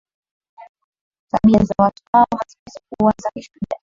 tabia za watu hao haziwezi kuwa za kishujaa